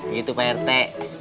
gitu pak rete